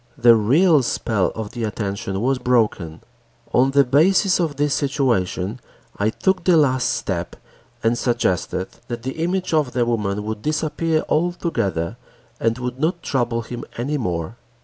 The real spell of the attention was broken. On the basis of this situation, I took the last step and suggested that the image of the woman would disappear altogether and would not trouble him any more.